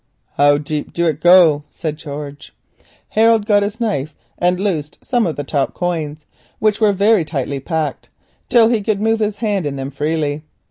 "How deep du it go?" said George at length. Harold took his knife and loosed some of the top coins, which were very tightly packed, till he could move his hand in them freely.